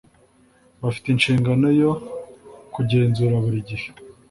bafite inshingano yo kugenzura buri gihe